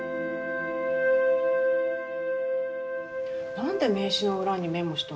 何で名刺の裏にメモしたんですか？